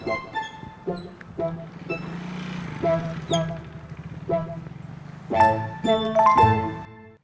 parkir salondron mateng di